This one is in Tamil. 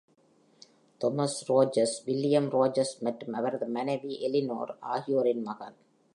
தாமஸ் ரோஜர்ஸ் வில்லியம் ரோஜர்ஸ் மற்றும் அவரது மனைவி எலினோர் ஆகியோரின் மகன்.